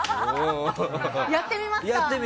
やってみますか。